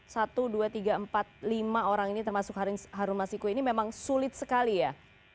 satu dua tiga empat lima orang ini termasuk harun masiku ini memang sulit sekali ya